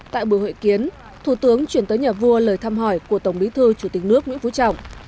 tại buổi hội kiến thủ tướng chuyển tới nhà vua lời thăm hỏi của tổng bí thư chủ tịch nước nguyễn phú trọng